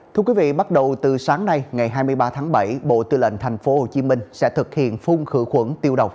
thưa quý vị bắt đầu từ sáng nay ngày hai mươi ba tháng bảy bộ tư lệnh tp hcm sẽ thực hiện phun khử khuẩn tiêu độc